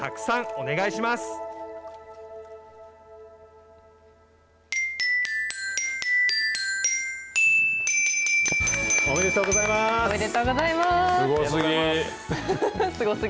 おめでとうございまーす。